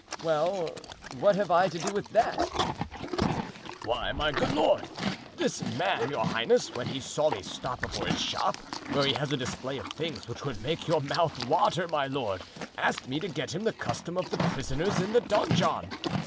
"Well, what have I to do with that?" "Why, good Lord! this man, your highness, when he saw me stop before his shop, where he has a display of things which would make your mouth water, my lord, asked me to get him the custom of the prisoners in the donjon.